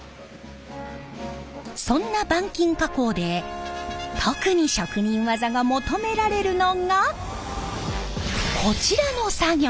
そんな板金加工で特に職人技が求められるのがこちらの作業！